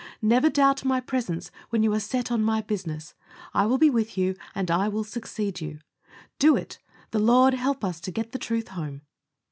Never doubt My presence when you are set on My business. I will be with you, and I will succeed you." Do it the Lord help us to get the truth home!